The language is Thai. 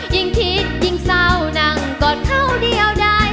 ยิ่งคิดยิ่งเศร้านั่งกอดเขาเดียวได้